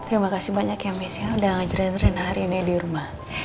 terima kasih banyak ya mis ya udah ngajarin tren hari ini di rumah